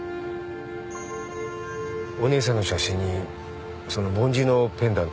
お姉さんの写真にその梵字のペンダントが。